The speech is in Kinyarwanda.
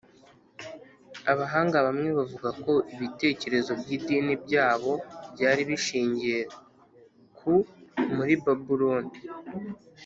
abahanga bamwe bavuga ko ibitekerezo by’idini by’abo byari bishingiye ku muri babuloni.